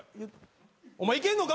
お前いけんのか？